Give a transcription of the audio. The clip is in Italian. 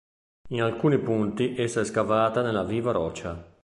In alcuni punti essa è scavata nella viva roccia.